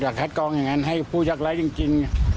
อยากแคตกรองอย่างนั้นให้ผู้ยากไร้จริง